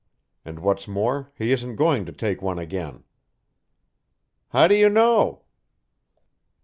And what's more, he isn't going to take one again." "How do you know?"